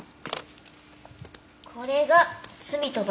これが『罪と罰』。